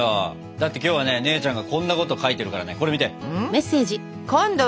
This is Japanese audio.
だって今日はね姉ちゃんがこんなこと書いてるからねこれ見て！